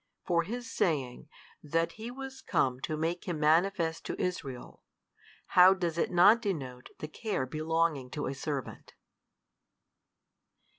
For his saying, that he was come to make Him manifest to Israel, how does it not denote the care belonging to a servant?